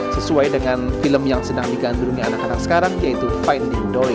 sesuai dengan film yang sedang digandrungi anak anak sekarang yaitu finding doy